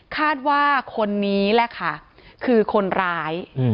คาดว่าคนนี้แหละค่ะคือคนร้าย